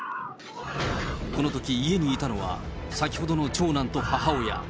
このとき、家にいたのは、先ほどの長男と母親。